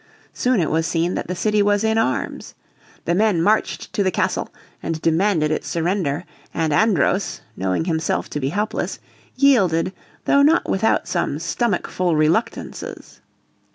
Soon it was seen that the city was in arms. The men marched to the castle, and demanded its surrender. And Andros, knowing himself to be helpless, yielded, though not without some "stomachful reluctances."